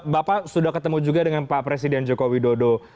bapak sudah ketemu juga dengan pak presiden joko widodo